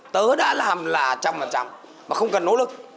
tớ đã làm là trăm phần trăm mà không cần nỗ lực